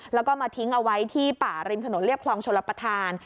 แล้วก็มาทิ้งเอาไว้ที่ป่าริมถนนเรียบคลองชลประธาน